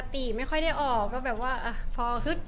โอ๊ยทำไมตาเศร้าอะไรขนาดนั้น